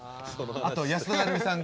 あと安田成美さん